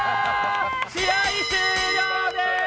試合終了でーす！